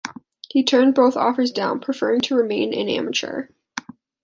He turned both offers down, preferring to remain an amateur.